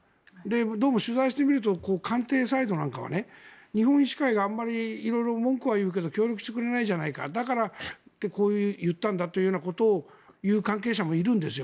どうも取材をしてみると官邸サイドなんかは日本医師会があんまり色々文句は言うけど協力してくれないじゃないかだからって言ったんだということを言う関係者もいるんですよ。